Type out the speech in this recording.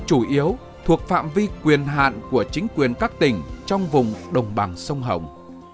chủ yếu thuộc phạm vi quyền hạn của chính quyền các tỉnh trong vùng đồng bằng sông hồng